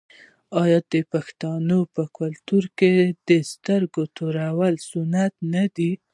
آیا د پښتنو په کلتور کې د سترګو تورول سنت نه دي؟